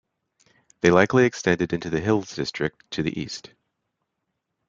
They likely extended into the Hills District to the east.